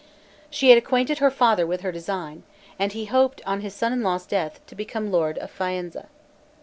She had acquainted her father with her design, and he hoped, on his son in law's death, to become lord of Faenza.